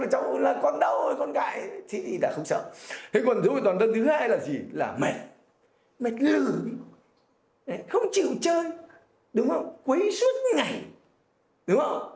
thế còn dấu hiệu toàn thân thứ hai là gì là mệt mệt lửa không chịu chơi đúng không quấy suốt ngày đúng không